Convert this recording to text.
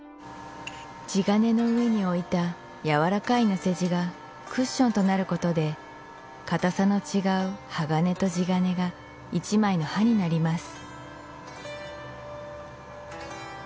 地金の上に置いたやわらかい乗せ地がクッションとなることで硬さの違う鋼と地金が一枚の刃になります